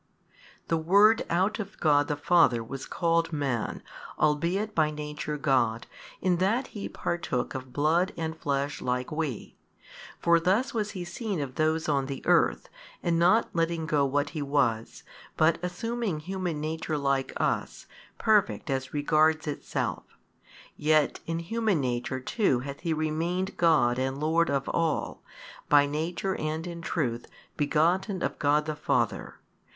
The Word out of God the Father was called Man, albeit by Nature God, in that He partook of blood and flesh like we. For thus was He seen of those on the earth, and not letting go what He was, but assuming human nature like us, perfect as regards itself; yet in human nature too hath He remained God and Lord of all, by Nature and in truth Begotten of God the Father.